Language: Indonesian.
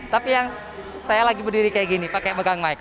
tapi yang saya lagi berdiri kayak gini pakai megang mic